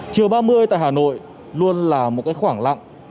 chiều ba mươi tại hà nội luôn là một cái khoảng lặng